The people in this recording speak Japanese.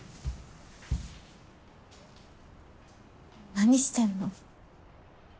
何してんの？